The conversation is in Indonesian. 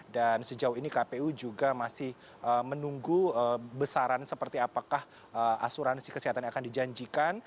dan sejauh ini kpu juga masih menunggu besaran seperti apakah asuransi kesehatan akan dijanjikan